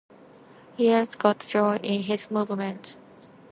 He's got joy in his movement.